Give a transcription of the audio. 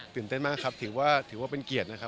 ตื่นเต้นมากครับถือว่าถือว่าเป็นเกียรตินะครับ